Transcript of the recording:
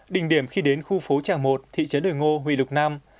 đỉnh điểm khi đến khu phố tràng một thị trấn đồi ngô huyện lục nam